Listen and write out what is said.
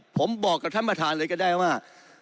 ผมบอกกับท่านประธานเลยก็ได้ว่า